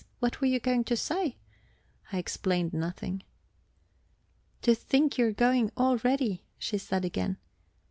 What were you going to say?" I explained nothing. "To think you are going already," she said again.